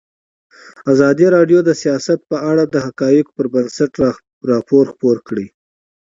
ازادي راډیو د سیاست په اړه د حقایقو پر بنسټ راپور خپور کړی.